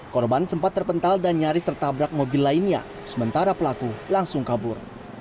korban sempat terpental dan nyaris tertabrak mobil lainnya sementara pelaku langsung kabur